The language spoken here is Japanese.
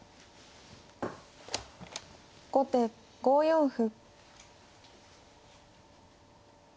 後手５四歩。